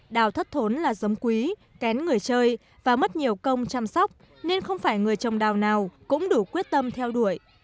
đào thất thốn là giống quý kén người chơi và mất nhiều công chăm sóc nên không phải người trồng đào nào cũng đủ quyết tâm theo đuổi